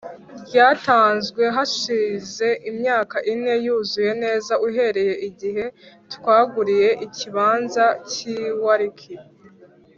rwatanzwe hashize imyaka ine yuzuye neza uhereye igihe twaguriye ikibanza cy i Warwick